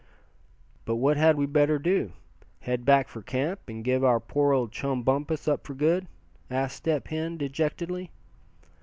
"But what had we better do head back for camp, and give our poor old chum Bumpus up for good?" asked Step Hen, dejectedly.